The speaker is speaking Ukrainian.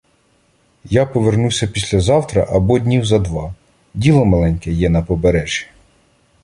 Я повернуся післязавтра або днів за два, діло маленьке є на Побережжі.